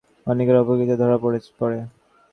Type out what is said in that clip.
পরে তদন্তে তাঁদেরসহ আরও অনেকের অপকীর্তি ধরা পড়ে।